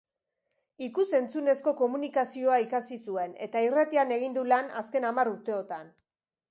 Ikus-entzunezko komunikazioa ikasi zuen eta irratian egin du lan azken hamar urteotan.